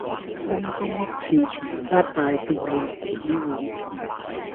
新公屋廁廚加大便利輪椅戶